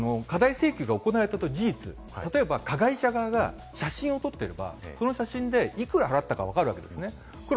まず過大請求が行われた事実、例えば加害者側が写真を撮っていれば、その写真でいくら払ったか分かるわけですね。